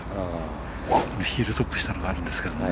ヒールトップしたのがあるんですけど。